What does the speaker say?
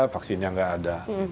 vaksinnya nggak ada